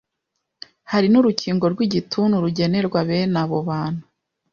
Hari n’urukingo rw’igituntu rugenerwa bene abo bantu.